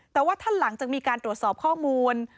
แต่ว่าท่านหลังจากมีการตรวจสอบข้อมูล